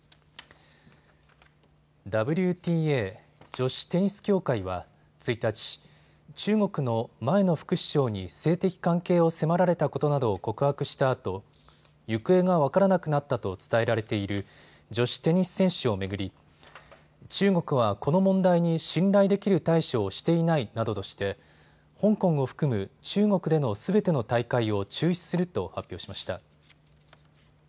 ＷＴＡ・女子テニス協会は１日、中国の前の副首相に性的関係を迫られたことなどを告白したあと行方が分からなくなったと伝えられている女子テニス選手を巡り、中国はこの問題に信頼できる対処をしていないなどとして香港を含む中国でのすべての大会を中止すると発表しました。